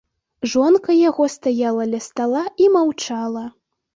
Жонка яго стаяла ля стала і маўчала.